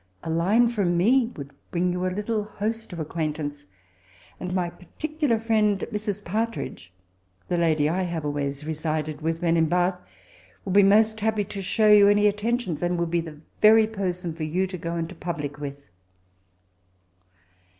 A line firom me would bring you a little host of acquaintance ; and my particular friend, Mrs. Partridge, the lady I have always resided with when in Bath, would be most happy to show you any attentions, and would be the very person for you to go into public with.'